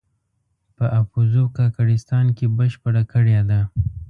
په اپوزو کاکړستان کې بشپړه کړې ده.